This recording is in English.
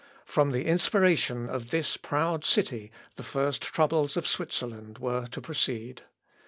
From the inspiration of this proud city the first troubles of Switzerland were to proceed.